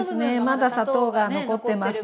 まだ砂糖が残ってますね。